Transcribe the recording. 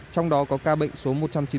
trong đó có ca bệnh số một trăm chín mươi